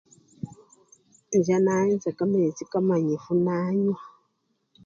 Enja nayenja kamechi kamanyifu nanywa.